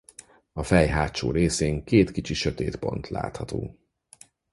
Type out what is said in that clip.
A fej hátsó részén két kicsi sötét pont látható.